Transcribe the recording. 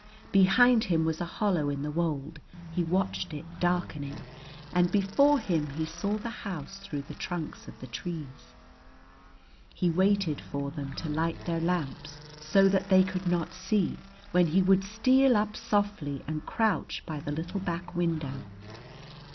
Behind him was a hollow in the wold, he watched it darkening; and before him he saw the house through the trunks of the trees. He waited for them to light their lamps so that they could not see, when he would steal up softly and crouch by the little back window.